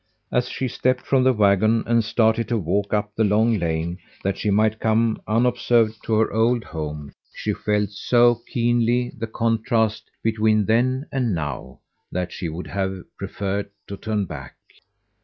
As she stepped from the wagon and started to walk up the long lane that she might come unobserved to her old home, she felt so keenly the contrast between then and now that she would have preferred to turn back.